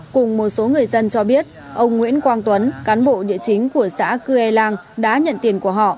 cùng một số người dân cho biết ông nguyễn quang tuấn cán bộ địa chính của xã cư e lang đã nhận tiền của họ